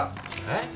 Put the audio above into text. えっ？